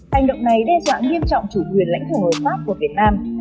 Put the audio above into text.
hành động này đe dọa nghiêm trọng chủ quyền lãnh thổ hợp pháp của việt nam